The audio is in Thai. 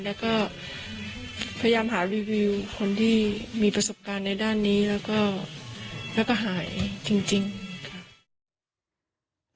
แล้วก็พยายามหารีวิวคนที่มีประสบการณ์ในด้านนี้แล้วก็หายจริงค่ะ